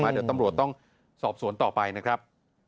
เดี๋ยวตำรวจต้องสอบสวนต่อไปนะครับ